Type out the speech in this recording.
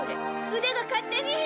腕が勝手に。